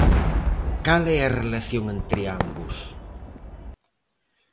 Cal é a relación entre ambos?